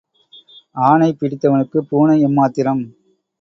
ஆனை பிடிப்பவனுக்குப் பூனை எம்மாத்திரம்?